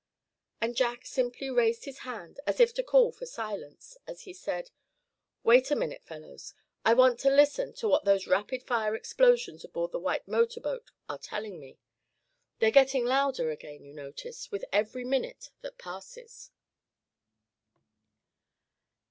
And Jack simply raised his hand as if to call for silence, as he said: "Wait a minute, fellows, I want to listen to what those rapid fire explosions aboard the white motor boat are telling me. They're getting louder again, you notice, with every minute that passes."